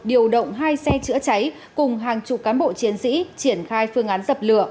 điều động hai xe chữa cháy cùng hàng chục cán bộ chiến sĩ triển khai phương án dập lửa